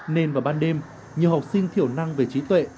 nên vào ban đêm nhiều học sinh thiểu năng về trí tuệ